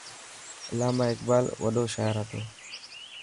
علامه اقبال وڏو شاعر هتو.